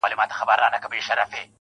نن: سیاه پوسي ده